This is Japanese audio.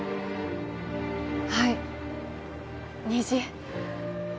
はい虹